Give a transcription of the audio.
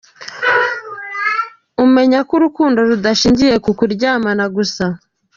Umenya ko urukundo rudashingiye ku kuryamana gusa.